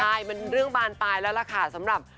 ใช่เป็นเรื่องบานปลายแล้วล่ะค่ะสำหรับ